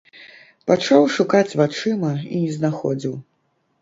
Пачаў шукаць вачыма і не знаходзіў.